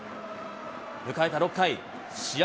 迎えた６回、試合